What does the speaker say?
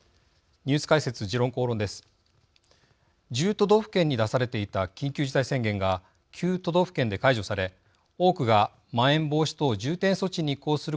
都道府県に出されていた緊急事態宣言が９都道府県で解除され多くがまん延防止等重点措置に移行することが決まりました。